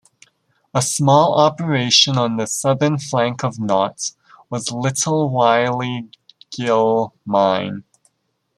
A small operation on the southern flank of Knott was Little Wiley Gill Mine.